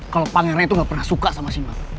kalo pangeran itu gak pernah suka sama si mel